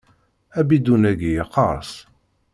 Abidun-agi yeqqers.